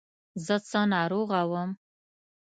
زه څه ناروغه وم.